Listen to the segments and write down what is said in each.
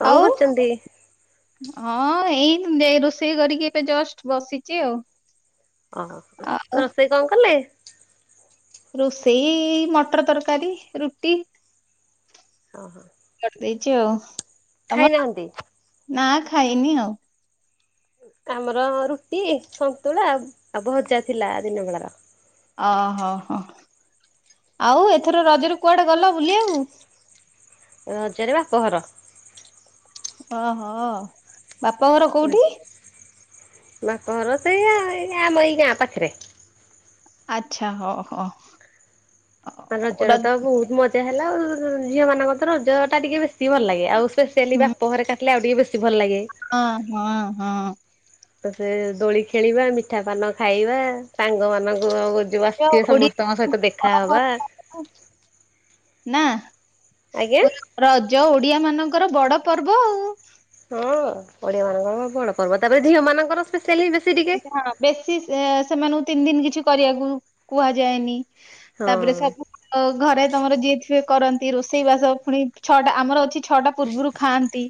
କଣ ଆଉ କରୁଛନ୍ତି? ହଁ ଏଇ ଯ ରୋଷେଇ କରିକି ଏବେ ଜଷ୍ଟ ବସିଛି ଆଉ ଅଳପ ଆଉ ପା ରୋଷେଇ କଣ କଲେ? ରୋଷେଇ ଏଇ ମଟର ତରକାରୀ ରୁଟି। ଓହୋ। କରିଦେଇଚି ଆଉ ତମର ଖାଇନାହାନ୍ତି? ନା ଖାଇନି ଆଉ। ଆମର ରୁଟି ସନ୍ତୁଳା ଆଉ ଭଜା ଥିଲା ଦିନ ବେଳାର। ଅହ ହ ଆଉ ଏଥର ରଜରେ କୁଆଡେ ଗଲ ବୁଲିବାକୁ? ରଜାରେ ବାପଘର। ଓହୋ ବାପଘର କୋଉଠି? ବାପ ଘର ସେଇ ଆ ଆମ ଏଇ ଗାଁ ପାଖରେ। ଆଚ୍ଛା ହୋ ହୋ। ଆ ରଜରେ ତ ବୋହୁତ ମଜା ହେଲା ଆଉ ଝିଅମାନଙ୍କର ତ ରଜଟା ଟିକେ ବେଶୀ ଭଲ ଲାଗେ ଆଉ ସ୍ ସ୍ପେସିଆଲି ହୁଁ ବାପଘରେ କଟିଲେ ଆଉ ଟିକେ ବେଶୀ ଭଲ ଲାଗେ। ହଁ ହଁ ହଁ। ତ ସେ ଦୋଳି ଖେଳିବା, ମିଠା ପାନ ଖାଇବା, ସାଙ୍ଗ ମାନଙ୍କୁ ଆଉ ଯୋଉ ଆସିଥିବେ ଓଡିଆ ମାନଙ୍କର ବଡ ସମସ୍ତଙ୍କ ସହିତ ଦେଖାହବା। ନା? ଆଜ୍ଞା? ରଜ ଓଡିଆ ମାନଙ୍କର ବଡ ପର୍ବ ଆଉ। ହଁ ଓଡିଆମାନଙ୍କର ବଣ ପର୍ବ ତାପରେ ଝିଅମାନଙ୍କର ସ୍ପେଶିଆଲି ବେଶ୍ ହଁ ବେଶୀ ସେ ସେମାନଙ୍କୁ ତିନି ଦିନ କିଛି କରିବାକୁ କୁହାଯାଏନି। ହଁ ତାପରେ ସବୁ ଅ ଘରେ ତମର ଯିଏ ଥିବେ କରନ୍ତି ରୋଷେଇ ବାସ ଫୁଣି ଛଅଟା ଆମର ଅଛି ଛଅଟା ପୂର୍ବରୁ ଖାଆନ୍ତି।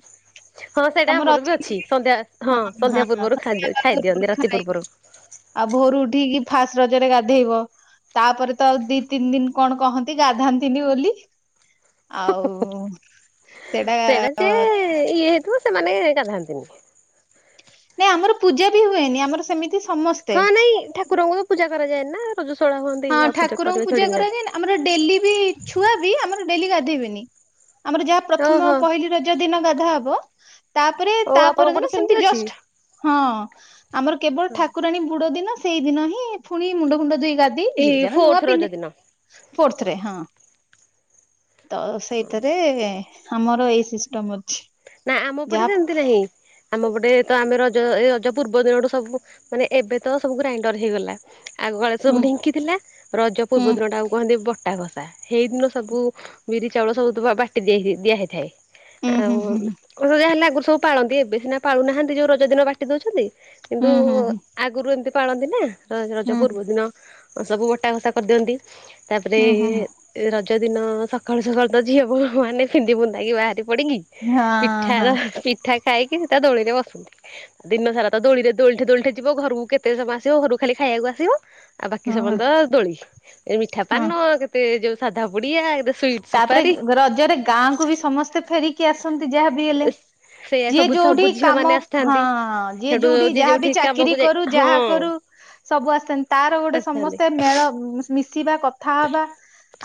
ହଁ ସେଇଟା ତମର ଆମର ବି ଅଛି ବୋଲି ସନ୍ଧ୍ୟା ହଁ ସନ୍ଧ୍ୟା ହଁ ପୂର୍ବରୁ ଖାଇ [unintelligible] ଖାଇଦିଅନ୍ତି ପୂର୍ବରୁ ରାତି ଖାଇବୁ। ଆଉ ଭୋରୁ ଉଠିକି ଫାଷ୍ଟ ରଜରେ ଗାଧେଇବ। ତାପରେ ତ ଆଉ ଦି ତିନି ଦିନ କଣ କହନ୍ତି ଗାଧାନ୍ତିନି ବୋଲି। ଆଉ ସେଇଟା ଯେ ଇଏ ହେଇଥିବ ସେମାନେ ଗାଧାନ୍ତିନି। ନାଇଁ ଆମର ପୂଜା ବି ହୁଏନି ଆମର ସେମିତି ସମସ୍ତେ। ହଁ ନାଇଁ ଠାକୁରଙ୍କୁ ତ ପୂଜା କରାଯାଏ ନା ରଜସଳା ହୁଅନ୍ତି ହଁ ଆଉ ପୂଜା ଠାକୁରଙ୍କୁ କରିବା ଥୋଡି ନା। କରାଯାଏନି ଆମର ଡେଲି ବି ଛୁଆ ବି ଆମର ଡେଲି ଗାଧେଇବେନି ଆମର ଯାହା ପ୍ରଥମ ଓହୋ ପହିଲି ର ଦିନ ଗାଧାହବ ତାପରେ ଓ ଆପଣଙ୍କ ତାପର ପଟେ ଦିନ ସେମିତି ସେମତି ଅଛି ଜଷ୍ଟ୍ ହଁ ଆମର କେବଳ ଠାକୁରାଣୀ ବୁଡ ଦିନ ସେଇଦିନ ହିଁ ଫୁଣି ମୁଣ୍ଡ ଫୁଣ୍ଡ ଧୋଇ ଗା ଯିଏ ଏଇ ଯାର ନୂଆ ଫୋର୍ଥ ରଜ ପିନ୍ଧେ। ଦିନ। ଫୋର୍ଥରେ ହଁ ତ ସେଇଥିରେ ଆମର ଏଇ ସିଷ୍ଟମ୍ ଅଛି। ନାଇଁ ଆମ ପଟେ ଯାହା ସେମତି ନାହିଁ ଆମ ପଟେ ତ ଆମେ ରଜ ଏଇ ରଜ ପୂର୍ବ ଦିନଠୁ ସବୁ ମାନେ ଏବେ ତ ସବୁ ଗ୍ରାଇଣ୍ଡର ହେଇଗଲା। ଆଗକାଳରେ ହୁଁ ସବୁ ଢିଙ୍କି ଥିଲା ରଜ ହୁଁ ପୂର୍ବ ଦିନଟାକୁ କୁହନ୍ତି ବଟା ବସ୍ ଆ ହେଇଦିନ ସବୁ ବିରି ଚାଉଳ ସବୁ ତ ବାଟି ଦେଇଥି ଦିଆ ହେଇଥାଏ ହୁଁ ହୁଁ ଆଉ ହୁଁ ଉରୁ ଯା ହେଲେ ଆଗରୁ ସବୁ ପାଳନ୍ତି ଏବେ ସିନା ପାଳୁନାହାନ୍ତି ଯୋଉ ରଜ ଦିନ ବାଟି ଦୋଉଚନ୍ତି କିନ୍ତୁ ହୁଁ ହୁଁ ହୁଁ। ଆଗୁରୁ ଏମିତି ପାଳନ୍ତି ନା ର-ରଜ ପୂର୍ବ ହୁଁ ଦିନ ସବୁ ବଟା ଘସା କରିଦିଅନ୍ତି। ତାପରେ ହୁଁ ରଜ ଦିନ ସଖାଳୁ ସଖାଳୁ ତ ଝିଅ ବୋହୁ ମାନେ ପିନ୍ଧି ପୁନ୍ଧାକି ବାହାରି ପଡିକି ହୁଁ ହଁ ପିଠାର ହଁ ପିଠା ଖାଇକି ତା ଦୋଳିରେ ବସନ୍ତି। ଦିନ ସାରା ତ ଦୋଳିରେ ଦୋଳଠି ଦୋଳଠି ଯିବ ଘରକୁ କେତେ ସମୟ ଆସିବ ଘରୁ ଖାଲି ଖାଇବାକୁ ଆସିବ। ଆଉ ବାକି ସମୟ ହଁ ତ ଦୋଳି ଏ ମିଠା ହଁ। ପାନ କେତେ ଯୋଉ ସାଧାପୁଡିଆ ଏଦେ ତାପରେ ରଜରେ ଗାଁକୁ ବି ସମସ୍ତେ ଫେରିକି ଆସନ୍ତି ଯାହାବି ହେଲେ। ସେଇଆ ଯିଏ ସବୁ ସବୁ ଯୋଉଠି ଝିଅ କାମ ମାନେ ହଁ ଆସିଥାନ୍ତି। ଯିଏ ସେଠୁ ଯୋଉଠି ଯିଏ ଯାହାବି ଚାକିରୀ କାମକୁ ଯାଇ କରୁ ଯାହା ହଁ କରୁ ସବୁ ଆସନ୍ତି ତାର ଗୋଟେ ଆସିଥାନ୍ତି। ସମସ୍ତେ ମେଳ ମୁସ-ମିଶିବା କଥା ହବା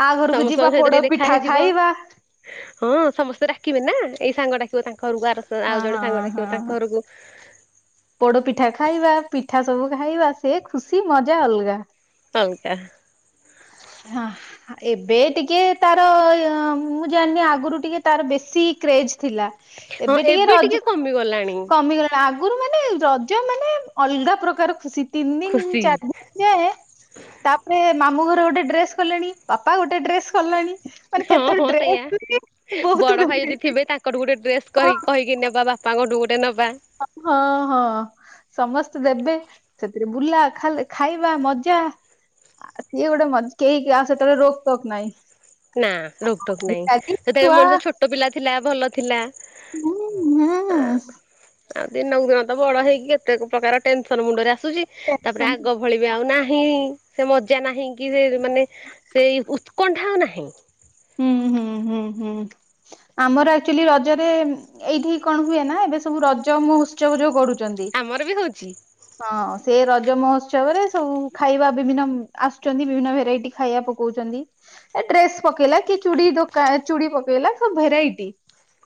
ଆ ଘରକୁ ସମସ୍ତଙ୍କ ଯିବ--ା ସହିତ ଟିକେ ଦେଖା ପୋଡ଼ପିଠା ହେଇଯିବ। ଖାଇବା। ହଁ ସମସ୍ତେ ଡକିବେ ନା ଏଇ ସାଙ୍ଗ ଡାକିବ ତାଙ୍କ ହରୁକୁ ଆର ସ ହଁ ଆଉ ଜଣେ ସାଙ୍ଗ ଡାକିବ ତାଙ୍କ ହରୁକୁ। ପୋଡ଼ପିଠା ଖାଇବା ପିଠା ସବୁ ଖାଇବା ସେ ଖୁସି ମଜା ଅଲଗା। ଅଲଗା। ହଁ। ଏବେ ଟିକେ ତାର ମୁଁ ଜାଣିନି ଆଗୁରୁ ଟିକେ ତାର ବେଶୀ କ୍ରେଜ ଥିଲା। ଏବେ ଟିକେ ରଜ୍ କମିଗଲାଣି ଆ ଏ ରଜ ମାନେ ଅଲଗା ପ୍ରକାର ଖୁସି ତିନ୍ ଦିନର ଖୁସି ଚାର୍ ଦିନର ଯାଏଁ ତାପରେ ମାମୁ ଘର ଗୋଟେ ଡ୍ରେସ୍ କଲେଣି ବାପା ଗୋଟେ ଡ୍ରେସ୍ ସରଲାଣି ମାନେ ହଁ ସେତଳେ ହଁ ଡ୍ରେସ୍ ସେଇଆ। ବି ବୋହୁତ୍ ବେଶୀ। କଲଠୁ ଗୋଟେ ଡ୍ରେସ୍ କହି କହିକି ନେବା ବାପାଙ୍କଠୁ ଗୋଟେ ନବା। ଅପି ହଁ ହଁ। ସମସ୍ତେ ଦେବେ ସେଥିରେ ବୁଲା ଖାଲା ଖାଇବା ମଜା। ଆ ସିଏ ଗୋଟେ ମଜ୍ କେହି କାହା ସେତୋଳେ ରୋକ୍ ତୋକ୍ ନହିଁ। ନାଊ ରୋକ୍ ଟୋକ୍ ନାଇଁ ହେତୋଳେ ଛୁଆ ମଣିଷ ଛୋଟ ପିଲା ଥିଲା ଭଲ ଥିଲା। ହଁ ଆ ହଁ। ଆଉ ଦିନକୁ ଦିନ ତ ବଡ଼ ହେଇକି କେତେ ପ୍ରକାର ଟେନସନ୍ ମୁଣ୍ଡରେ ଆସୁଚି ତାପରେ ଟେନସନ୍ ଆଗ ଭଳି ବି ଆଉ ନାହିଁ ସେ ମଜା ନାହିଁ କି ସେ ମାନେ ସେଇ ଉତ୍କଣ୍ଠା ଆଉ ନାହିଁ। ହୁଁ ହୁଁ ହୁଁ ହୁଁ। ଆମର ଆକ୍ଚୁଆଲି ରଜରେ ଏଇଠି କଣ ହୁଏ ନାଁ ଏବେ ସବୁ ରଜ ମହୋତ୍ସବ ଯୋଉ କରୁ ଆମର ବି ହୋଉଚି। ହଁ ସେ ରଜ ମହୋତ୍ସବରେ ସବୁ ଖାଇବା ବିଭିନ୍ନ ଆସୁଚନ୍ତି ବିଭିନ୍ନ ଭେରାଇଟି ଖାଇବା ପ କୋଉଚନ୍ତି ଏ ଡ୍ରେସ୍ ପକେଇଲା କି ଚୁଡ଼ି ଦୋକା ଚୁଡ଼ି ପକେଇଲା ସବୁ ଭେରାଇଟି।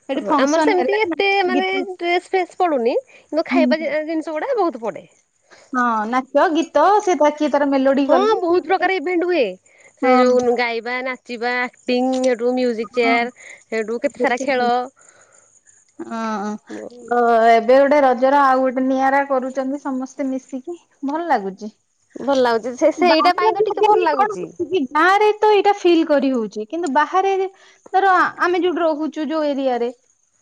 ସେଠି ହଁ ଆମର ଫଙ୍କସନ ସେମତି ହେଲା ଏତେ ନାଚ ମାନେ ଗୀତ ଡ୍ରେସ୍ ଫେସ୍ ପଡ଼ୁନି କିନ୍ତୁ ହୁଁ, ଖାଇବା ଜି ଜିନିଷ ଉଡ଼ା ବହୁତ ପଡ଼େ। ହଁ ନାଚ ଗୀତ ସେ ଧାଚ୍ କିଏ ତାର ମେଲୋଡ଼ି ହଁ ବହୁତ ପ୍ରକାର ଇଭେଣ୍ଟ୍ ହୁଏ ସେ ହଁ। ଯୋଉ ଗାଇବା, ନାଚିବା। ପିଙ୍ଗ୍ ହେଠୁ ମ୍ୟୁଜିକ୍ ଚେୟାର୍ ହେଠୁ କେତେ ସାରା ଖେଳ। ଅଁ ଗ ଏବେ ଗୋଟେ ର ଜର ଆଉ ଗୋଟେ ନିଆରା କରୁଚନ୍ତି ସମସ୍ତେ ମିଶିକି ଭଲ ଲାଗୁଚି। ଭଲ ଲାଗୁଚି ସେ ସେଇଟା ପାଇଁ ତ ଟିକେ ଭଲ କଣ ଲାଗୁଚି। ହଉଛି ଗାଁରେ ତ ଏଇଟା ଫିଲ୍ କରି ହୋଉଚି କିନ୍ତୁ ବାହାରେ ଧର ଆମେ ଯୋଉଠି ରହୁ ଚୁ ଯୋଉ ଏରିଆରେ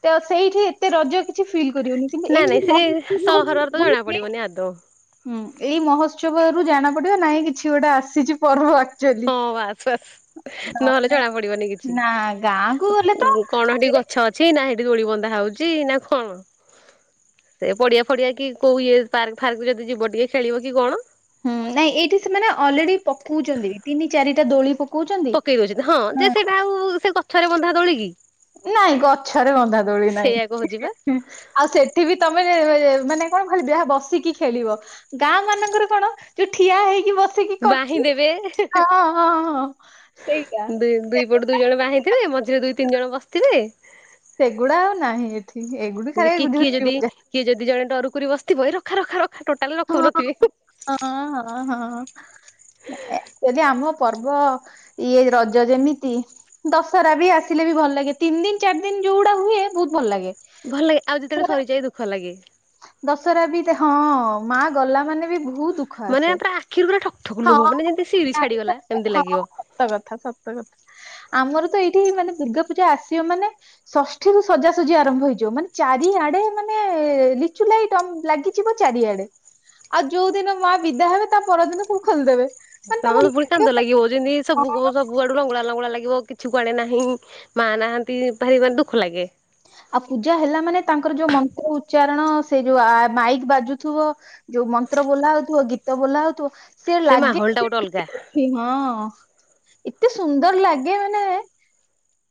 ତ ସେଇଠି ତେ ରଜ କିଛି ଫିଲ୍ କରିହୋଉନି କିନ୍ତୁ ନାଇଁ ଏଇଠି ନାଇଁ ସେ ରହି ସହରରେ ତ ଜଣା ପଡିବନି [unintelligible] ଆଦୌ ହୁଁ, ଏଇ ମହୋତ୍ସବରୁ ଜାଣା ପଡ଼ିବ ନାଇଁ କିଛି ଗୋଟେ ଆସିଚି ପର୍ବ ଆକ୍ଚୁଆଲି ହଁ, ବାସ୍ ବାସ୍ ନହେଲେ ଜଣା ପ ଡି଼ବନି କିଛି ନା ଗାଁକୁ ଉ ଗଲେ ତ ଉଁ କଣ ହେଟି ସେ ଗଛ ଛି ନା ହେଟି ଦୋଳି ବନ୍ଧା ହଉଚି ନାଁ କଣ? ସେ ପଡ଼ିଆ ଫଡି଼ଆ କି କୋଉ ଇଏ ପାର୍କ ଫାର୍କ ଯଦି ଯିବ ଟିକେ ଖେଳିବ କି କଣ? ହୁଁ, ନାଇଁ ଏଇଠି ସେମାନେ ଅଲରେଡ଼ି ପକଉଚନ୍ତି ତିନି, ଚାରିଟା ଦୋଳି ପ ପକେଇ ଦୋଉଚନ୍ତି ହଁ, ଯେ ସେଟା ଆଉ ସେ ଗଛରେ ବନ୍ଧା ଦୋଳିକି? ନାଇଁ ଗଛରେ ବନ୍ଧା ଦୋଳି ନାଇଁ‌। ସେଇଆ କହୁଛି ବା ହୁଁ ଆଉ ସେଠି ବି ତମେ ମାନେ କଣ ଖାଲି ଯାହା ବସିକି ଖେଳିବ। ଗାଁମାନଙ୍କରେ କଣ ଯୋଉ ଠିଆ ହେଇକି ବ ବାହି ଦେବେ ଦୁଇ ହଁ ସେଇଟା ଦୁଇ ସେଗୁ- ପଟୁ ଦୁଇ ଜଣ ବାହି ଥିବେ ମଝିରେ ଦୁଇ, ତିନି ଜଣ ବସିଥିବେ। ସେଗୁଡ଼ା ଆଉ ନାହିଁ ଏଠି ଏଗୁଡ଼ି କି ଝୁଲିବୁ କିଏ ଯଦି ଯାହା। କିଏ ଯଦି ଜଣେ ଡରୁକୁରି ବସିଥିବ ଏ ରଖା ରଖା ରଖା ଟୋଟାଲି ହଁ ରଖଉନଥିବେ। ହଁ, ହଁ, ହଁ,। ଯଦି ଆମ ପର୍ବ ଇଏ ରଜ ଯେମିତି ଦଶହରା ବି ଆସିଲେ ବି ଭଲ ଲାଗେ ତିନି ଦିନି, ଚାରି ଦିନି ଯୋଉଡା ହୁଏ ବହୁତ ଭଲ ଲାଗେ। ଭଲ ଲାଗେ ଆଉ ଯେତେବେଳେ ଦଶହରା ସରିଯାଇ ଦୁଃଖ ଲାଗେ। ଦଶହରା ବି ହଁ, ମା ଗଲା ମାନେ ବି ବହୁତ ଦୁଃଖ ଦୁଃଖ ମାନେ ଆସେ ପୁରା ଆଖିରୁ ପୁରା ଠକ୍ ଠକ୍ ଲୁହ ମାନେ ଯେମିତି ସିଡି [unintelligible] ଛାଡିଗଲା ଏମିତି ଲାଗିବ। ସତ କଥା ସତ କଥା ଆମର ତ ଏଇଠି ମାନେ ଦୁର୍ଗା ପୂଜା ଆସିବ ମାନେ ଷଷ୍ଠୀରୁୁ ସଜାସଜି ଆରମ୍ଭ ହେଇଯିବ ମାନେ ଚାରିଆଡେ ମାନେ ଲିଚୁ ଲାଇଟ ଲାଗିଯିବ ଚାରିଆଡେ। ଆଉ ଯୋଉ ଦିନ ମାଆ ବିଦା ହେବେ ତା ପରଦିନ ସବୁ ଖୋଲିଦେବେ। ମାନେ ହଁ, ତମ ପୁଣି କାନ୍ଦ ଲାଗିବ ଯେମିତି ସବୁ କୁ କଣ? ସବୁ ସବୁଆଡୁ ଲଙ୍ଗୁଳା, ଲଙ୍ଗୁଳା ଲାଗିବ କିଛି କୁଆଡେ ନାହିଁ ମା ନାହାନ୍ତି, ଭାରି ଭାରି ଦୁଃଖ ଲାଗେ। ଆଉ ପୂଜା ହେଲା ମାନେ ତାଙ୍କର ଯୋଉ ମନ୍ତ୍ର ଉଚ୍ଚାରଣ ସେ ଯୋଉ ମାଇକ ବାଜୁଥିବ ଯୋଉ ମନ୍ତ୍ର ବୋଲା ହଉଥିବ ଗୀତ ବୋଲା ହଉଥିବ ସେ ଲାଗେ ମାହୋଲ ଟା ଗୋଟେ ଅଲଗା ହଁ, ଏତେ ସୁନ୍ଦର ଲାଗେ ମାନେ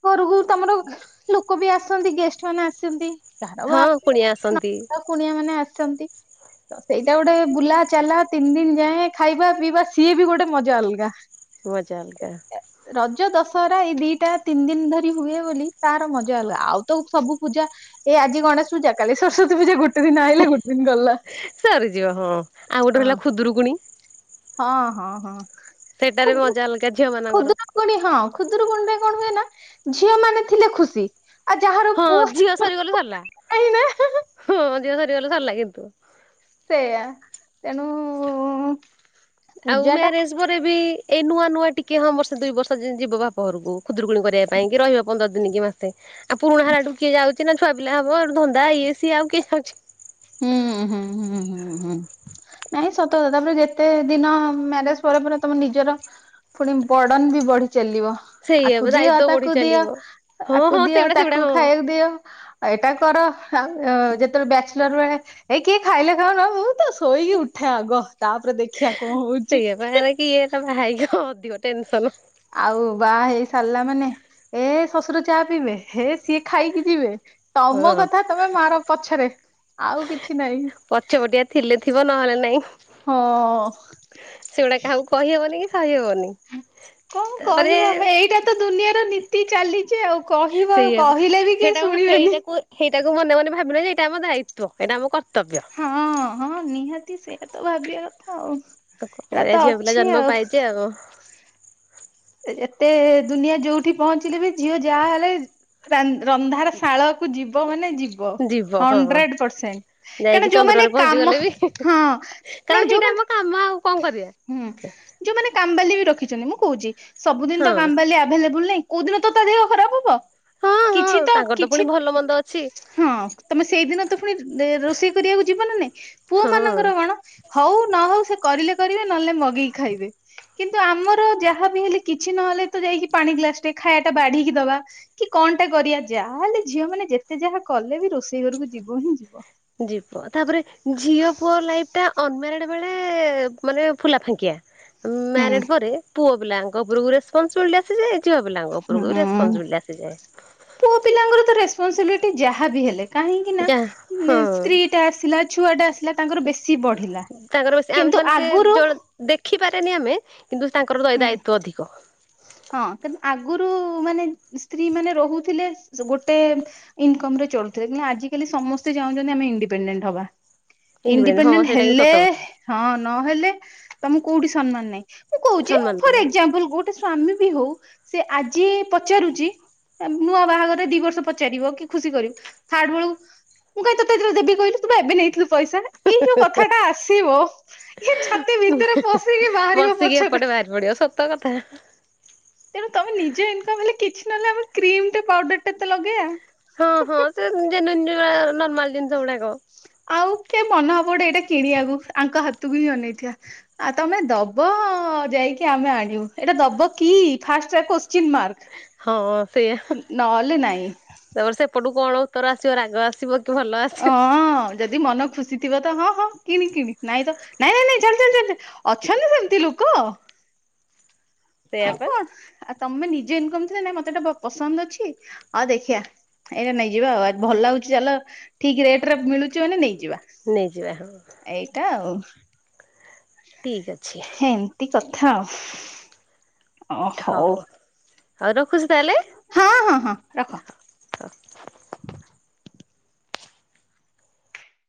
ଘରକୁ ତମର ଲୋକ ବି ଆସନ୍ତି ଗେଷ୍ଟ ମାନେ ଆସନ୍ତି। କାହାର ହଁ, କୁଣିଆ ଆସନ୍ତି। ବା କୁଣିଆ ମାନେ ଆସିଛନ୍ତି। ତ ସେଇଟା ଗୋଟେ ବୁଲା ଚାଲା ତିନି ଦିନ ଯାଏ ଖାଇବା ପିଇବା ସିଏ ବି ଗୋଟେ ମଜା ଅଲଗା। ମଜାଅଲଗା ରଜ ଦଶହରା ଏଇ ଦିଟା ତିନି ଦିନ ଧରି ହୁଏ ବୋଲି ତାର ମଜା ଅଲଗା ଆଉ ତ ସବୁ ପୂଜା ଏ ଆଜି ଗଣେଶ ପୂଜା କାଲି ସରସ୍ଵତୀ ପୂଜା ଗୋଟେ ଦିନ ଆଇଲେ ଗୋଟେ ଦିନ ଗଲା। ସରିଯିବା ହଁ, ଆଉ ଗୋଟେ ହେଲା ହଁ ଖୁଦୁରୁକୁଣି ହଁ, ହଁ, ହଁ, ସେଇଟାରେ ମଜା ଅଲଗା ଝିଅ ମାନଙ୍କର। କୁନି ହଁ, ଖୁଦୁରୁକୁଣି ରେ କଣ ହୁଏ ନା ଝିଅ ମାନେ ଥିଲେ ଖୁସି। ଆଉ ଯାହାର ହଁ, ପୁଅ ଝିଅ ସରିଗଲେ ସରିଲା ନାହିଁ ନା ହଁ, ଝିଅ ସରିଗଲେ ସରିଲା କିନ୍ତୁ। ସେଇୟା ତେଣୁ ଆଉ ପୂଜା ଟା ମ୍ୟାରେଜ ପରେ ବି ଏଇ ନୂଆ ନୂଆ ଟିକେ ହଁ, ବର୍ଷେ ଦୁଇ ବର୍ଷ ଯିବ ବାପ ଘରକୁ ଖୁଦୁରୁକୁଣି କରିବା ପାଇଁ କି ରହିବ ପନ୍ଦର ଦିନ କି ମାସେ ଆଉ ପୁରୁଣା ହେଲାଠୁ କିଏ ଯାଉଛି ନା ଛୁଆ ପିଲା ହବ ଆଉ ଧନ୍ଦା ଇଏ ସିଏ ଆଉ କିଏ ଯାଉଛି। ହୁଁଁ, ହୁଁ, ହୁଁ, ହୁଁ, ହୁଁ, ନାଇଁ ସତ କଥା ତାପରେ ଯେତେ ଦିନ ମ୍ୟାରେଜ ପରେ ପର କରି ତମ ନିଜର ପୁଣି ବର୍ଡ଼ନ ବି ବଢ଼ି ଚାଲିବ। ସେଇଆ ଆକୁ ପା ଦିଅ, ଦାୟିତ୍ୱ ବଢି ତାକୁ ଦିଅ, ଚାଲିବ। ହଁ ଆକୁ ହଁ ଦିଅ, ସେଗୁଡା ସେଗୁଡା ତାକୁ ହଁ ଖାଇବାକୁ ଦିଅ। ଏଇଟା କର ଆଉ ଯେତେବେଳେ ବ୍ୟାଚଲର ବେଳେ ଏ କିଏ ଖାଇଲେ ଖାଉନ ମୁଁ ତ ଶୋଇକି ଉଠେ ଆଗ ତାପରେ ଦେଖିବା କଣ ହଉଛି ବାା କି ବା ହେଇକ କଣ ଅଧିକ ଟେନସନ ଆଉ ବାହା ହେଇ ସାରିଲା ମାନେ ଏ ଶଶୁର ଚା ପିଇବେ ଏ ସିଏ ଖାଇକି ଯିବେ ତମ ହଁ କଥା ତମେ ମାର ପଛରେ ଆଉ କିଛି ନହିଁ ଚଟିଆ ଥିଲେ ଥିବ ନହେଲେ ନାଇଁ। ହଁ ସେଗୁଡା କାହାକୁ କହିହବନି କି ସହିହବନି। ହଁଣ ତାପରେ କହିବ ଭ ଏଇଟା ତ ଦୁନିଆର ନୀତି ଚାଲିଛି ଆଉ। କହିବ ସେଇଆ ପା। କହିଲେ ବି କେହି ଶୁଣିବେନି ସେଇଟାକୁ ମନ ମନେ ଭାବିଲୁ ଯେଇଟା ଆମ ଦାୟିତ୍ୱ ଏଇଟା ଆମ କର୍ତ୍ବ୍ୟ ହଁ ହଁ ନିହାତି ସେଇଟା ତ ଭାବିବା କଥା ଆଉ ଆଉ କଣ ଏଇଟା କରିବା ତ ଝିଅ ପିଲା ଅଛି ଜନ୍ମ ଆଉ। ପାଇଛି ଆଉ ଏତେ ଦୁନିଆ ଯୋଉଠି ପହଞ୍ଚିଲେ ବି ଝିଅ ଯାହା ହେଲେ ରନ୍ଧାର ଶାଳ କୁ ଯିବ ମାନେ ଯିବ ଯିବ ହଁ। ହଣ୍ଡେଡ ପରସେଣ୍ଟ କ ଯାଇକି ଯୋଉମାନେ ଚନ୍ଦ୍ରରେ କାମ ପହଞ୍ଚିଗଲେ ବି ହଁ ନାଇଁ କାରଣ ସେଇଟା ଯୋଉମାନେ ଆମ କାମ ଆଉ କଣ କରିବା। ହୁଁ ଯୋଉମାନେ କମ୍ବାଲି ବି ରଖିଛନ୍ତି ମୁଁ କହୁଛି ସବୁଦିନ ତ ହଁ କମ୍ବାଲି ଆ ଭଲେବଲ ନାଇଁ କୋଉ ଦିନ ତ ତା ଦେହ ଖରାପ ହବ ହଁ ହଁ କିଛି ତ ତାଙ୍କର ପୁଣି କିଛି ଭଲ ମନ୍ଦ ଅଛି ହଁ ତମେ ସେଇଦିନ ତ ପୁଣି ରୋଷେଇ କରିବାକୁ ଯିବନ ନାଇଁ। ପୁ ହଁ। ମନଙ୍କର କଣ। ହଉ ନ ହଉ ସେ କରିଲେ କରିବେ ନହେଲେ ମଗେଇକି ଖାଇବେ କିନ୍ତୁ ଆମର ଯାହା କିଛି ନହେଲେ ତ ଯାଇକି ପାଣି ଗ୍ଲାସ ଟେ ଖାଇବା ଟା ବାଢିକି ଦବା। କି କଣ ଟା କରିବା ଯାହା ହେଲେ ଝିଅ ମାନେ ଯେତେ ଯାହା କଲେ ବି ରୋଷେଇ ଘରକୁ ଯିବ ହିଁ ଯିବ। ଯ ପ ତାପରେ ଝିଅ ପୁଅ ଲାଇଫ ଟା ଅନମଡ ବେଳେ ମାନେ ଫୁଲା ଫାଙ୍କିଆ। ମ୍ୟାରିଡ ହୁଁ ପରେ ପୁଅ ପିଲାଙ୍କ ଉପରକୁ ରେପନସିବିଲିଟି ଆସିଯାଏ କିିବା ପିଲାଙ୍କ ଉପରକୁ ବି ହୁଁ ରେପନ୍ସିବିଲି ଆସିଯାଏ। ପୁଅ ପିଲାଙ୍କର ତ ରେସପନସିବିଲିଟି ଯାହାବ ହେଲେ କାହିଁକି ନା ଯା ହଁ ସ୍ତ୍ରୀ ଟା ଆସିଲା। ଛୁଆ ଟା ଆସିଲା ତାଙ୍କର ବେଶୀ ବଢିଲା ତାଙ୍କର ବେଶୀ ଆମେ କିନ୍ତୁ ମାନେ ସେ ଆଗରୁ। ଜଣେ ଦେଖିପାରେନି ଆମେ କିନ୍ତୁ ତାଙ୍କର ଦ ହୁଁ ଦାୟିତଵ ଅଧିକ। ହଁ କିନ୍ତୁ ଆଗରୁ ମାନେ ସ୍ତ୍ରୀ ମାନେ ରହୁଥିଲେ ଗୋଟେ ଇନକମ ରେ ଚଳୁଥିଲେ କିନ୍ତୁ ଆିକାଲି ସମସ୍ତେ ଚାହୁଁଛନ୍ତି ଆମେ ଇଣ୍ଡିପେଣ୍ଡେଣ୍ଟ ହବା। ହଁ ଇଣ୍ଡିପେଣ୍ଡେଣ୍ଟ ସେଇଟା କିନ୍ତୁ ହେଲେ ସତ କଥା। ହଁ ନହେଲେ ତମ କୋଉଠି ସମ୍ମାନ ନାହିଁ ମୁଁ କହୁଛି ସମ୍ମାନ ଫର୍ ନାହିଁ ଏଜାମ୍ପଲ କୋଠି ଗୋଟେ ସ୍ଵାମୀ ବି ହଉ ସେ ଆଜି ପଚାରୁଛି। ନୂଆ ବାହାଘରେ ଦି ବର୍ଷ ପଚାରିବ କି ଖୁସି କରିବ ଥାର୍ଡ ବେଳକୁ ମୁଁ କହିଁ ତରେ ଦେବିହିଲୁ ତୁ ଏବେ ନେଇଥିଲୁ ପଇସା ଏଇ ଯୋଉ କଥା ଟା ଆସିବ ଇ ଛାତି ଭିତରେ ପଶିକି ବାହାର ବସିକି ଏପଟେ ବାହାରି ପଡିଆ ସତ କଥା। ତେଣୁ ତମେ ନିଜ ଇନମ ହେଲେ କିଛି ନହେଲେ ଆମେ କ୍ରିମ ଟ ପାଉଡର ଟା ତେ ଲଗେଇବା। ହଁ ହଁ ସେ ଜନ ନର୍ମାଲ ଜିନିଷ ଗୁଡାକ। ଆଉ କି ମନ ହବୋଡେ ଏଇଟା କିଣିବାକୁ ଆଙ୍କ ହାତକୁ ହିଁ ଅନେଇଥିବା। ଆ ତମେ ଦବ ଯାଇକି ଆମେ ଆଣିବୁ ଏଇଟା ଦବ କି ଫାଷ୍ଟ କଶ୍ଚିନ୍ ମାର୍କ। ହଁ ସେଇଆ ନହେଲେ ନାଇଁ। ତାପରେ ସେପଟକୁ କଣ ଉତ୍ତର ଆସିବ ରାଗ ଆସିବ କି ଭଲ ଆସିବ। ହଁ ଯଦି ମନ ଖୁସି ଥିବ ତ ହଁ ହଁ କିଣି କିଣି ନାଇଁ ତ ନାଇ ନାଇ ନାଇଁ ଚାଲ ଚାଲ ଚାଲ ଅଛନ୍ତି ସେମିତି ଲୋକ। ସେଇଆ ଆଉ ପା କଣ ଆଉ ତମେ ନିଜେ ଇନକମ ଥିଲ ନାଇଁ ମତେଟା ପସନ୍ଦ ଅଛି ଆଉ ଦେଖିଆ। ଏଇଟା ନେଇଯିବା ଆଉ ଭଲ ହଉଛି ଚାଲ ଠିକ ରେଟ ରେ ମିଳୁଛି ମାନେ ନେଇଯିବା। ନେଇଯିବା ହଁ। ଏଇଟା ଆଉ। ଠିକ୍ ଅଛି। ଏମିତି କଥା ଆଉ। ହଉ ଆଉ ରଖୁଛି ତାହେଲେ। ହଁ ହଁ ହଁ ରଖ। ???????